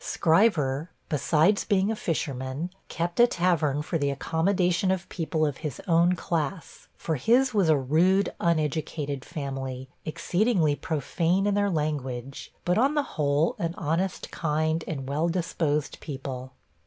Scriver, besides being a fisherman, kept a tavern for the accommodation of people of his own class for his was a rude, uneducated family, exceedingly profane in their language, but, on the whole, an honest, kind and well disposed people.